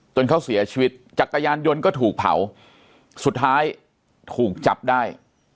จนเขาเสียชีวิตจักรยานยนต์ก็ถูกเผาสุดท้ายถูกจับได้